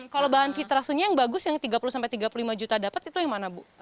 kalau bahan fitrasenya yang bagus yang tiga puluh sampai tiga puluh lima juta dapat itu yang mana bu